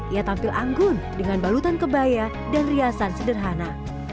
ia tampil anggun dengan balutan kebaya dan riasan sederhana